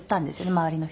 周りの人に。